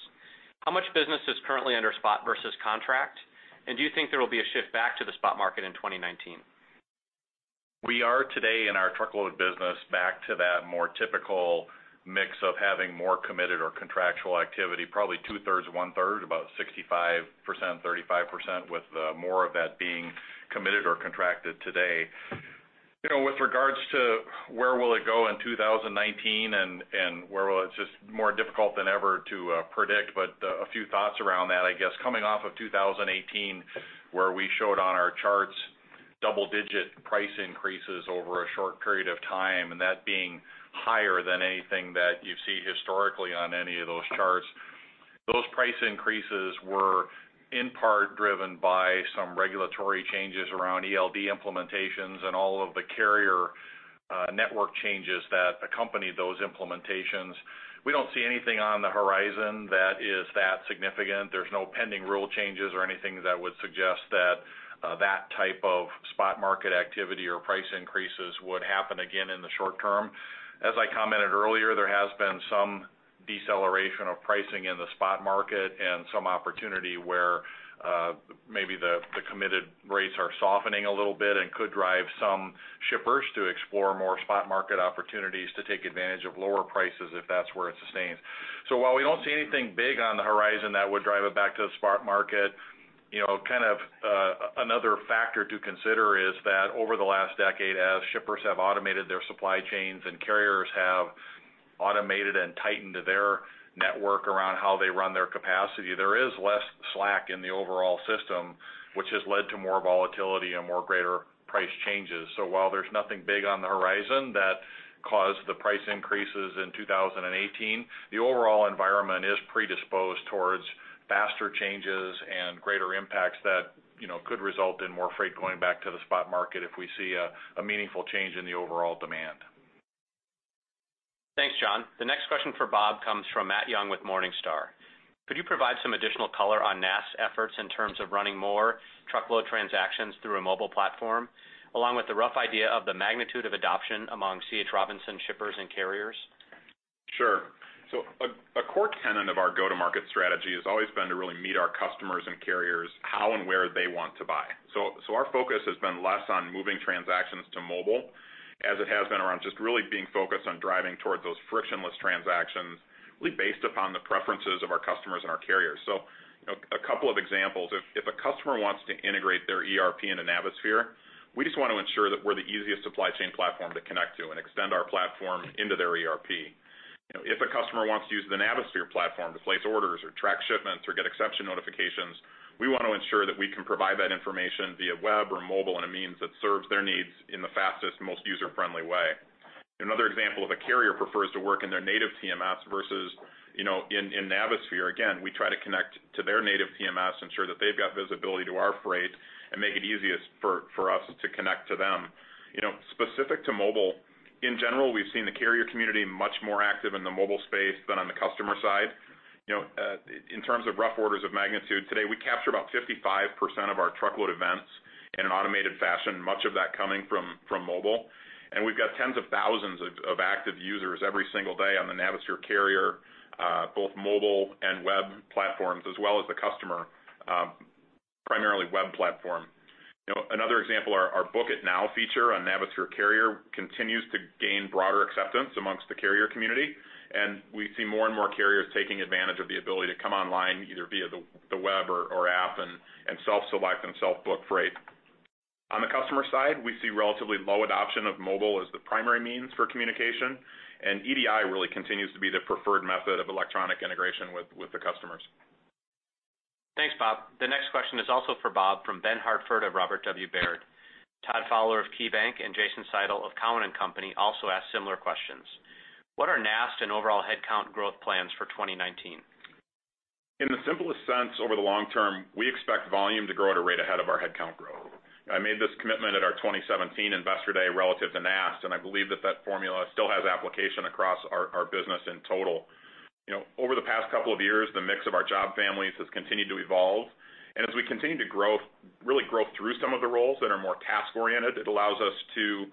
How much business is currently under spot versus contract, and do you think there will be a shift back to the spot market in 2019? We are today in our truckload business back to that more typical mix of having more committed or contractual activity, probably two-thirds, one-third, about 65%, 35%, with more of that being committed or contracted today. With regards to where will it go in 2019 and where will it just more difficult than ever to predict, but a few thoughts around that, I guess. Coming off of 2018, where we showed on our charts double-digit price increases over a short period of time, and that being higher than anything that you see historically on any of those charts. Those price increases were in part driven by some regulatory changes around ELD implementations and all of the carrier network changes that accompanied those implementations. We don't see anything on the horizon that is that significant. There's no pending rule changes or anything that would suggest that type of spot market activity or price increases would happen again in the short term. As I commented earlier, there has been some deceleration of pricing in the spot market and some opportunity where maybe the committed rates are softening a little bit and could drive some shippers to explore more spot market opportunities to take advantage of lower prices if that's where it sustains. While we don't see anything big on the horizon that would drive it back to the spot market, kind of another factor to consider is that over the last decade, as shippers have automated their supply chains and carriers have automated and tightened their network around how they run their capacity, there is less slack in the overall system, which has led to more volatility and more greater price changes. While there's nothing big on the horizon that caused the price increases in 2018, the overall environment is predisposed towards faster changes and greater impacts that could result in more freight going back to the spot market if we see a meaningful change in the overall demand. Thanks, John. The next question for Bob comes from Matthew Young with Morningstar. Could you provide some additional color on NAST's efforts in terms of running more truckload transactions through a mobile platform, along with the rough idea of the magnitude of adoption among C. H. Robinson shippers and carriers? Sure. A core tenet of our go-to-market strategy has always been to really meet our customers and carriers how and where they want to buy. Our focus has been less on moving transactions to mobile as it has been around just really being focused on driving towards those frictionless transactions, really based upon the preferences of our customers and our carriers. A couple of examples. If a customer wants to integrate their ERP into Navisphere, we just want to ensure that we're the easiest supply chain platform to connect to and extend our platform into their ERP. If a customer wants to use the Navisphere platform to place orders or track shipments or get exception notifications, we want to ensure that we can provide that information via web or mobile in a means that serves their needs in the fastest, most user-friendly way. Another example, if a carrier prefers to work in their native TMS versus in Navisphere, again, we try to connect to their native TMS, ensure that they've got visibility to our freight and make it easiest for us to connect to them. Specific to mobile, in general, we've seen the carrier community much more active in the mobile space than on the customer side. In terms of rough orders of magnitude, today, we capture about 55% of our truckload events in an automated fashion, much of that coming from mobile. We've got tens of thousands of active users every single day on the Navisphere Carrier, both mobile and web platforms, as well as the customer, primarily web platform. Another example, our Book It Now feature on Navisphere Carrier continues to gain broader acceptance amongst the carrier community, and we see more and more carriers taking advantage of the ability to come online either via the web or app and self-select and self-book freight. On the customer side, we see relatively low adoption of mobile as the primary means for communication, and EDI really continues to be the preferred method of electronic integration with the customers. Thanks, Bob. The next question is also for Bob from Ben Hartford of Robert W. Baird. Todd Fowler of KeyBanc and Jason Seidl of Cowen and Company also asked similar questions. What are NAST and overall headcount growth plans for 2019? In the simplest sense, over the long term, we expect volume to grow at a rate ahead of our headcount growth. I made this commitment at our 2017 Investor Day relative to NAST, and I believe that formula still has application across our business in total. Over the past couple of years, the mix of our job families has continued to evolve. As we continue to really grow through some of the roles that are more task-oriented, it allows us to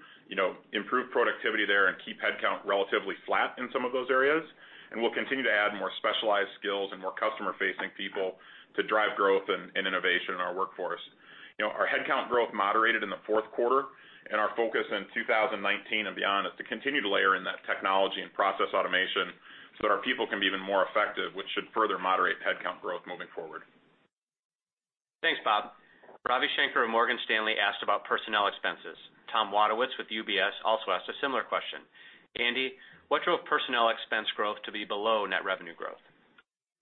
improve productivity there and keep headcount relatively flat in some of those areas. We'll continue to add more specialized skills and more customer-facing people to drive growth and innovation in our workforce. Our headcount growth moderated in the fourth quarter, and our focus in 2019 and beyond is to continue to layer in that technology and process automation so that our people can be even more effective, which should further moderate headcount growth moving forward. Thanks, Bob. Ravi Shanker of Morgan Stanley asked about personnel expenses. Tom Wadewitz with UBS also asked a similar question. Andy, what drove personnel expense growth to be below net revenue growth?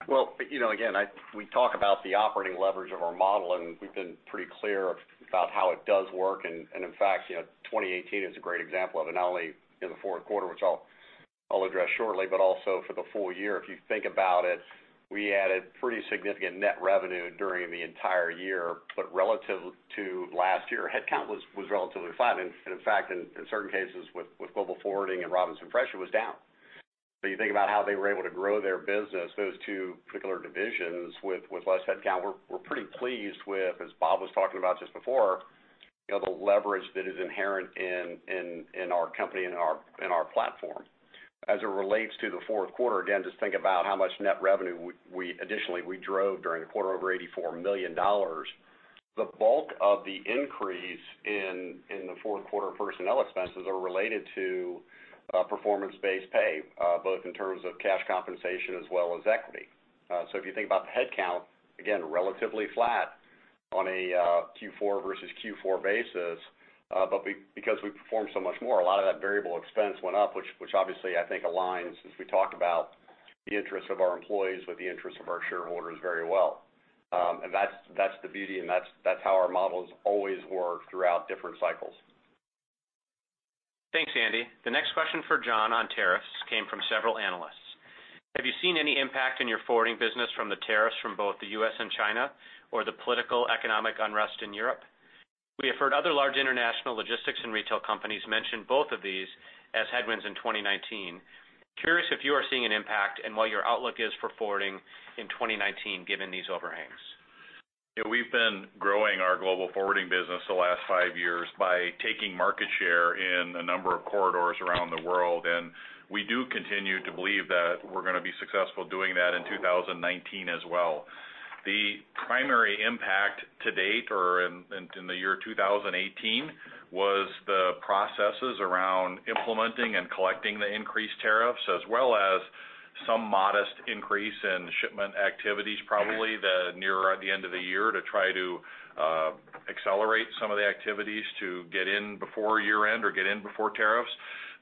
Well, again, we talk about the operating leverage of our model, we've been pretty clear about how it does work. In fact, 2018 is a great example of it, not only in the fourth quarter, which I'll address shortly, but also for the full year. If you think about it, we added pretty significant net revenue during the entire year. Relative to last year, headcount was relatively flat. In fact, in certain cases with Global Forwarding and Robinson Fresh, it was down. You think about how they were able to grow their business, those two particular divisions with less headcount. We're pretty pleased with, as Bob was talking about just before, the leverage that is inherent in our company and in our platform. As it relates to the fourth quarter, again, just think about how much net revenue, additionally, we drove during the quarter, over $84 million. The bulk of the increase in the fourth quarter personnel expenses are related to performance-based pay, both in terms of cash compensation as well as equity. If you think about the headcount, again, relatively flat on a Q4 versus Q4 basis. Because we performed so much more, a lot of that variable expense went up, which obviously, I think, aligns, as we talk about the interests of our employees with the interests of our shareholders very well. That's the beauty, and that's how our models always work throughout different cycles. Thanks, Andy. The next question for John on tariffs came from several analysts. Have you seen any impact in your forwarding business from the tariffs from both the U.S. and China, or the political economic unrest in Europe? We have heard other large international logistics and retail companies mention both of these as headwinds in 2019. Curious if you are seeing an impact and what your outlook is for forwarding in 2019 given these overhangs. We've been growing our Global Forwarding business the last five years by taking market share in a number of corridors around the world. We do continue to believe that we're going to be successful doing that in 2019 as well. The primary impact to date, or in the year 2018, was the processes around implementing and collecting the increased tariffs, as well as some modest increase in shipment activities, probably nearer the end of the year to try to accelerate some of the activities to get in before year-end or get in before tariffs.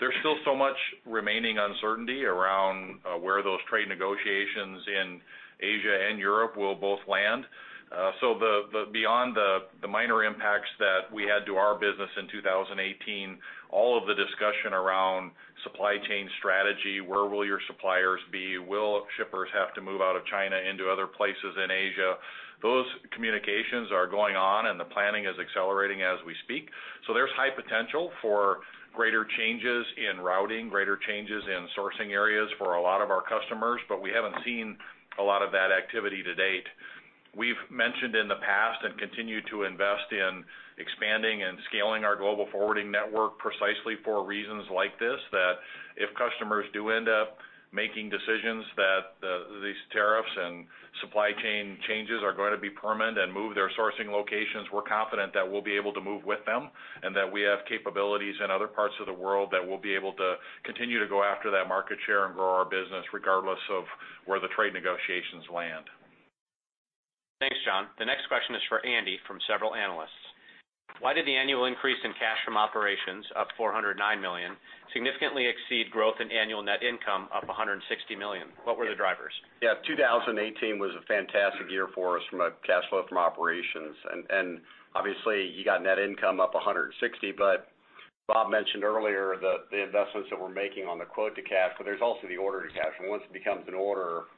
There's still so much remaining uncertainty around where those trade negotiations in Asia and Europe will both land. Beyond the minor impacts that we had to our business in 2018, all of the discussion around supply chain strategy, where will your suppliers be? Will shippers have to move out of China into other places in Asia? Those communications are going on. The planning is accelerating as we speak. There's high potential for greater changes in routing, greater changes in sourcing areas for a lot of our customers. We haven't seen a lot of that activity to date. We've mentioned in the past and continue to invest in expanding and scaling our Global Forwarding network precisely for reasons like this, that if customers do end up making decisions that these tariffs and supply chain changes are going to be permanent and move their sourcing locations, we're confident that we'll be able to move with them. We have capabilities in other parts of the world that we'll be able to continue to go after that market share and grow our business regardless of where the trade negotiations land. Thanks, John. The next question is for Andy from several analysts. Why did the annual increase in cash from operations, up $409 million, significantly exceed growth in annual net income up $160 million? What were the drivers? 2018 was a fantastic year for us from a cash flow from operations. Obviously, you got net income up $160. Bob mentioned earlier the investments that we're making on the quote to cash. There's also the order to cash. Once it becomes an order,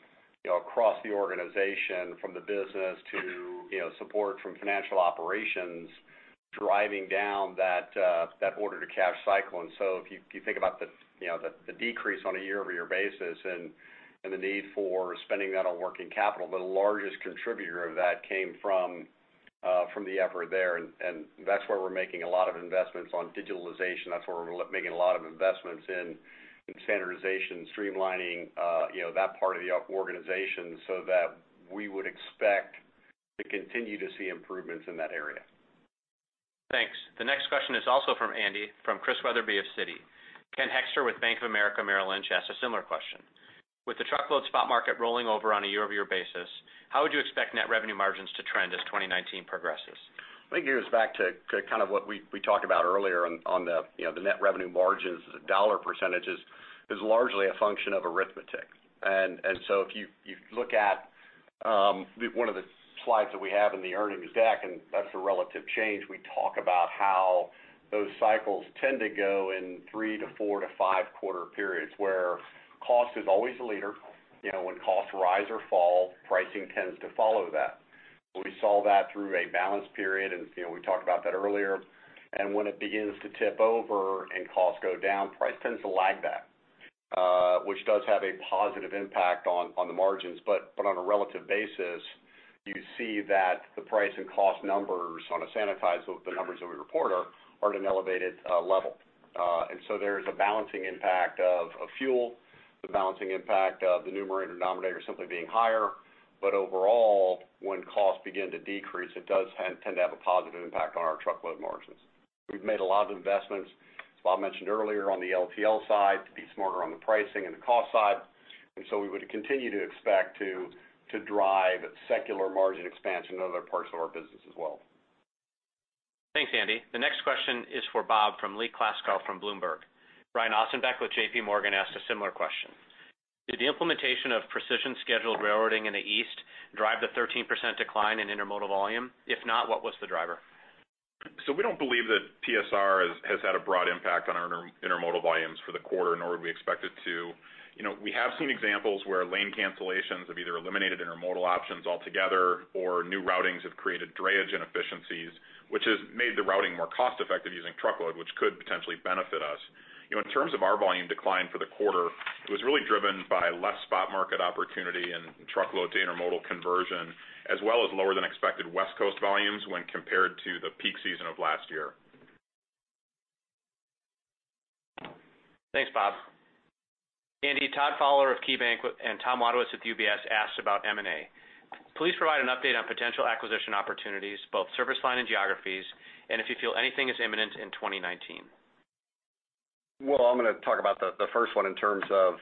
across the organization from the business to support from financial operations, driving down that order to cash cycle. If you think about the decrease on a year-over-year basis and the need for spending that on working capital, the largest contributor of that came from the effort there. That's where we're making a lot of investments on digitalization. That's where we're making a lot of investments in standardization, streamlining that part of the organization so that we would expect to continue to see improvements in that area. Thanks. The next question is also for Andy from Chris Wetherbee of Citi. Ken Hoexter with Bank of America Merrill Lynch asked a similar question. With the truckload spot market rolling over on a year-over-year basis, how would you expect net revenue margins to trend as 2019 progresses? I think it goes back to kind of what we talked about earlier on the net revenue margins as a dollar percentage is largely a function of arithmetic. If you look at one of the slides that we have in the earnings deck, and that's the relative change, we talk about how those cycles tend to go in three to four to five quarter periods, where cost is always the leader. When costs rise or fall, pricing tends to follow that. We saw that through a balanced period, and we talked about that earlier. When it begins to tip over and costs go down, price tends to lag that, which does have a positive impact on the margins. On a relative basis, you see that the price and cost numbers on a sanitized of the numbers that we report are at an elevated level. There is a balancing impact of fuel, the balancing impact of the numerator and denominator simply being higher. Overall, when costs begin to decrease, it does tend to have a positive impact on our truckload margins. We've made a lot of investments, as Bob mentioned earlier, on the LTL side to be smarter on the pricing and the cost side. We would continue to expect to drive secular margin expansion in other parts of our business as well. Thanks, Andy. The next question is for Bob from Lee Klaskow from Bloomberg. Brian Ossenbeck with J.P. Morgan asked a similar question. Did the implementation of Precision Scheduled Railroading in the East drive the 13% decline in intermodal volume? If not, what was the driver? We don't believe that PSR has had a broad impact on our intermodal volumes for the quarter, nor would we expect it to. We have seen examples where lane cancellations have either eliminated intermodal options altogether, or new routings have created drayage inefficiencies, which has made the routing more cost-effective using truckload, which could potentially benefit us. In terms of our volume decline for the quarter, it was really driven by less spot market opportunity and truckload to intermodal conversion, as well as lower than expected West Coast volumes when compared to the peak season of last year. Thanks, Bob. Andy, Todd Fowler of KeyBanc and Tom Wadewitz with UBS asked about M&A. Please provide an update on potential acquisition opportunities, both service line and geographies, and if you feel anything is imminent in 2019. I'm going to talk about the first one in terms of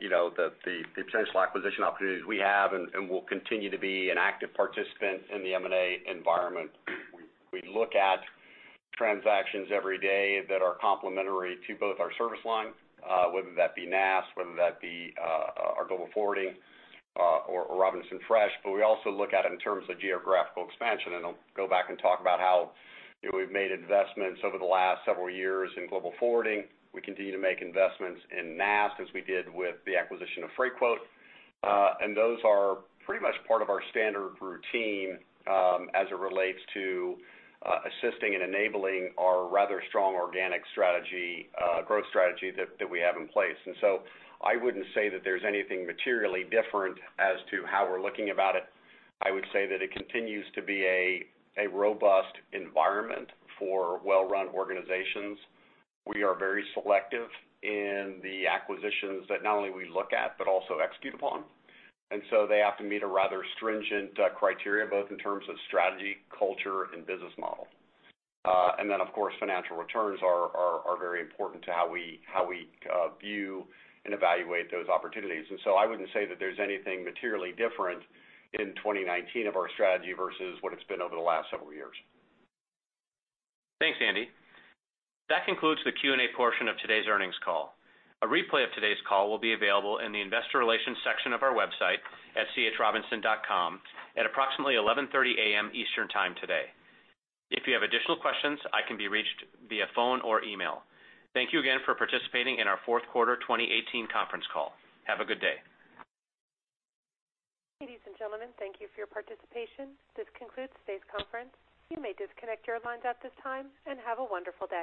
the potential acquisition opportunities we have, we'll continue to be an active participant in the M&A environment. We look at transactions every day that are complementary to both our service lines, whether that be NAST, whether that be our Global Forwarding, or Robinson Fresh. We also look at it in terms of geographical expansion, I'll go back and talk about how we've made investments over the last several years in Global Forwarding. We continue to make investments in NAST, as we did with the acquisition of Freightquote. Those are pretty much part of our standard routine as it relates to assisting and enabling our rather strong organic growth strategy that we have in place. I wouldn't say that there's anything materially different as to how we're looking about it. I would say that it continues to be a robust environment for well-run organizations. We are very selective in the acquisitions that not only we look at, but also execute upon. They have to meet a rather stringent criteria, both in terms of strategy, culture, and business model. Of course, financial returns are very important to how we view and evaluate those opportunities. I wouldn't say that there's anything materially different in 2019 of our strategy versus what it's been over the last several years. Thanks, Andy. That concludes the Q&A portion of today's earnings call. A replay of today's call will be available in the investor relations section of our website at chrobinson.com at approximately 11:30 A.M. Eastern Time today. If you have additional questions, I can be reached via phone or email. Thank you again for participating in our fourth quarter 2018 conference call. Have a good day. Ladies and gentlemen, thank you for your participation. This concludes today's conference. You may disconnect your lines at this time, and have a wonderful day.